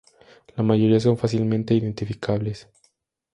La mayoría son fácilmente identificables.